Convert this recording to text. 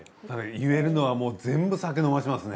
言えるのは全部酒飲ませますね。